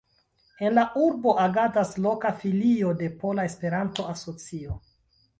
En la urbo agadas loka Filio de Pola Esperanto-Asocio.